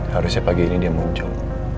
harusnya pagi ini dia muncul